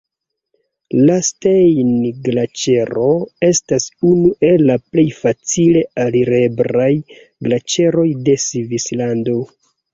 La Stein-Glaĉero estas unu el la plej facile alireblaj glaĉeroj de Svislando.